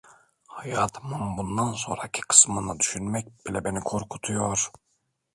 Hayatımın bundan sonraki kısmını düşünmek bile beni korkutuyor…